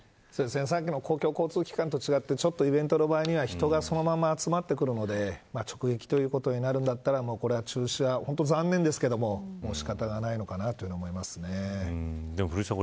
さっきの公共交通機関と違ってイベントの場合は人がそのまま集まってくるので直撃ということになるんだったら中止は残念ですけれどもでも古市さん